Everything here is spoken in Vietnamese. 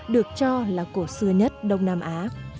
được cho là cổ xưa nhất đông nam á